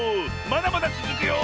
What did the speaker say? まだまだつづくよ。